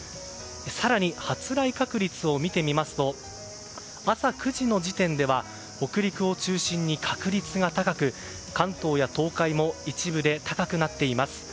更に、発雷確率を見てみますと朝９時の時点では北陸を中心に確率が高く関東や東海も一部で高くなっています。